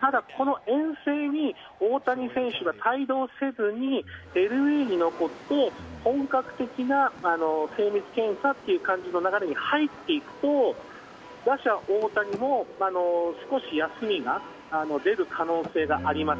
ただ、その遠征に大谷選手が帯同せずＬＡに残って本格的な精密検査という感じの流れに入っていくと、打者・大谷も少し休みが出る可能性があります。